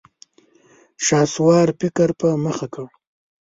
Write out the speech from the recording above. شهسوار فکر په مخه کړ.